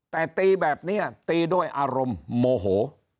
แต่ตีแบบนี้ตีด้วยอารมณ์โมโห